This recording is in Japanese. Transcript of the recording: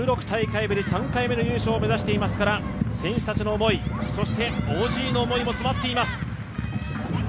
３大会目の優勝を目指していますから選手たちの思い、そしてＯＧの思いもあります。